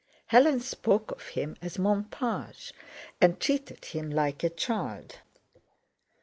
Hélène spoke of him as "mon page" and treated him like a child.